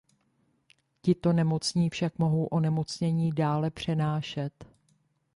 Tito nemocní však mohou onemocnění dále přenášet.